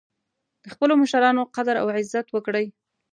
د خپلو مشرانو قدر او عزت وکړئ